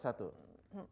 saya lihat cuma satu